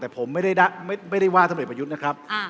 แต่ผมไม่ได้ว่าท่านเอกประยุทธ์นะครับ